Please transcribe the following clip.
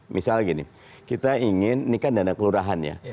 misalnya gini kita ingin ini kan dana kelurahan ya